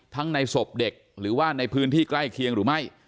ในศพเด็กหรือว่าในพื้นที่ใกล้เคียงหรือไม่